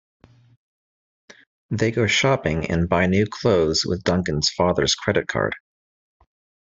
They go shopping and buy new clothes with Duncan's father's credit card.